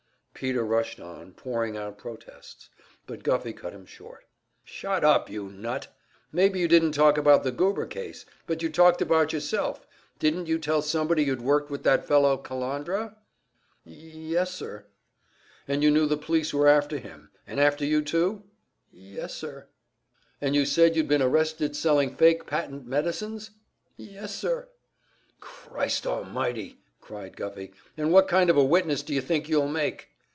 Peter rushed on, pouring out protests. But Guffey cut him short. "Shut up, you nut! Maybe you didn't talk about the Goober case, but you talked about yourself. Didn't you tell somebody you'd worked with that fellow Kalandra?" "Y y yes, sir." "And you knew the police were after him, and after you, too?" "Y y yes, sir." "And you said you'd been arrested selling fake patent medicines?" "Y y yes, sir." "Christ almighty!" cried Guffey. "And what kind of a witness do you think you'll make?"